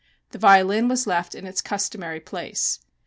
The violin was left in its customary place.